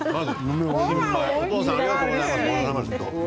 お父さんありがとうございます。